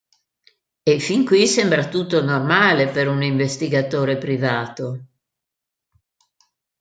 E fin qui sembra tutto normale, per un investigatore privato.